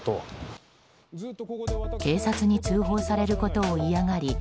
警察に通報されることを嫌がり